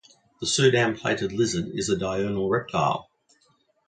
The Sudan Plated lizard is a diurnal reptile.